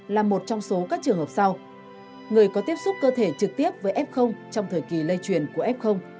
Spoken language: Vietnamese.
là một trong số các trường hợp sau người có tiếp xúc cơ thể trực tiếp với f trong thời kỳ lây truyền của f